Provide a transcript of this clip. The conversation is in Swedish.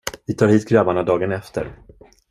Vi tar hit grabbarna dagen efter.